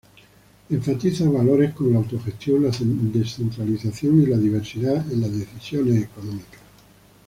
Enfatiza valores como la autogestión, la descentralización y la diversidad en las decisiones económicas.